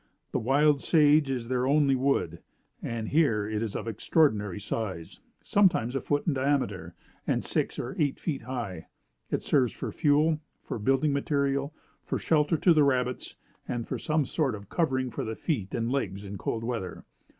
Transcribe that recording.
The wild sage is their only wood, and here it is of extraordinary size sometimes a foot in diameter, and six or eight feet high. It serves for fuel, for building material, for shelter to the rabbits, and for some sort of covering for the feet and legs in cold weather.